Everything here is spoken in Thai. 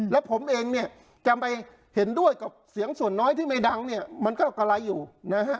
และผมเองเนี่ยจะไปเห็นด้วยกับเสียงส่วนน้อยที่ไม่ดังเนี่ยมันก็กะไรอยู่นะฮะ